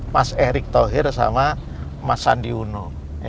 mas erick thohir sama mas sandi uno